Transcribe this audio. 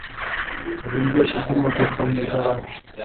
Karenzi yashyize imodoka mu igaraje.